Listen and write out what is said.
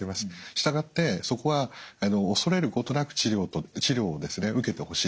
従ってそこは恐れることなく治療を受けてほしいと思います。